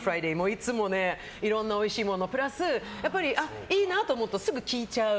いつもいろんなおいしいものプラスいいなと思うとすぐ聞いちゃう。